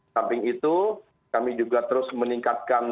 samping itu kami juga terus meningkatkan